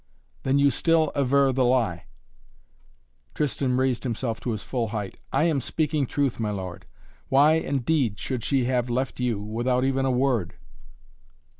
"Then you still aver the lie?" Tristan raised himself to his full height. "I am speaking truth, my lord. Why, indeed, should she have left you without even a word?"